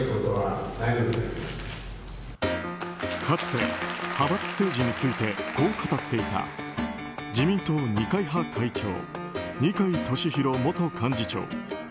かつて派閥政治についてこう語っていた自民党二階派会長二階俊博元幹事長。